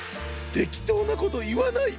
てきとうなこといわないで！